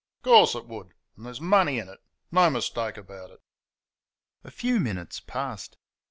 "Of course it WOULD...and there's money in it...no mistake about it!" A few minutes passed.